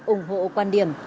ủng hộ quan điểm